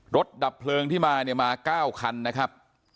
ดับเพลิงที่มาเนี่ยมา๙คันนะครับ